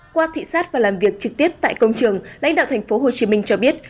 qua thị sát và làm việc trực tiếp tại công trường lãnh đạo thành phố hồ chí minh cho biết